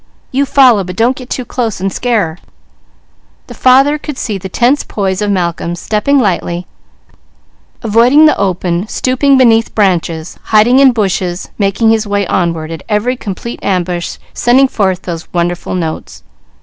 You follow, but don't get too close and scare her." The father could see the tense poise of Malcolm, stepping lightly, avoiding the open, stooping beneath branches, hiding in bushes, making his way onward, at every complete ambush sending forth those wonderful notes.